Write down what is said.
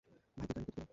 ভাই, তুই গাড়ির গতি কমা!